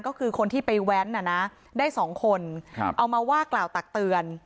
ก็คือคนที่ไปแว้นได้สองคนเอามาว่ากล่าวตักเตือน